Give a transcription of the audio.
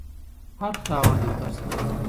هر تاوان یو درس دی.